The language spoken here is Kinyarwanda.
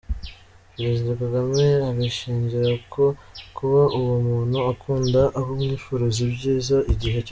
Perezida Kagame abishingira ko kuba uwo umuntu akunda aba amwifuriza ibyiza igihe cyose.